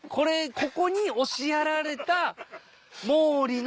ここに押しやられた毛利の。